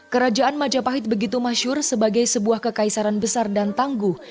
kerajaan majapahit begitu masyur sebagai sebuah kekaisaran besar dan tangguh